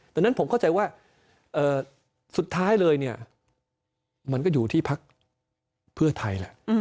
ดังนั้นผมเข้าใจว่าสุดท้ายเลยเนี่ยมันก็อยู่ที่พักเพื่อไทยแหละ